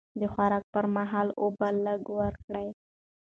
د خوراک پر مهال اوبه لږ ورکړئ.